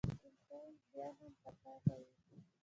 انسان بیا هم خطا کوي.